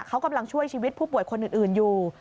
เขากำลังช่วยชีวิตผู้ป่วยคนอื่นอยู่